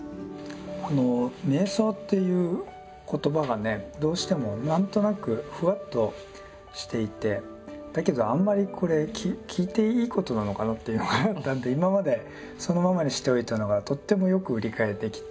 この瞑想っていう言葉がねどうしても何となくふわっとしていてだけどあんまりこれ聞いていいことなのかなっていうのがあったので今までそのままにしておいたのがとってもよく理解できて。